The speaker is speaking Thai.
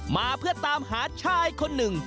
มาเพื่อตามหาชายคนหนึ่ง